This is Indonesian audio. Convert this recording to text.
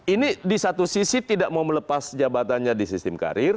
ini di satu sisi tidak mau melepas jabatannya di sistem karir